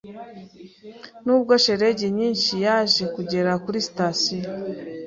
Nubwo shelegi nyinshi, yaje kugera kuri sitasiyo.